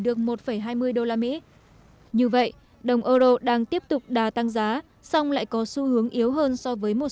được một hai mươi usd như vậy đồng euro đang tiếp tục đà tăng giá song lại có xu hướng yếu hơn so với một